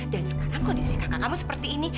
dan sekarang kondisi kakak kamu seperti ini